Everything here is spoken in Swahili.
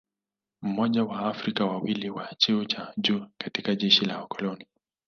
Mmoja wa Waafrika wawili wa cheo cha juu katika jeshi la wakoloni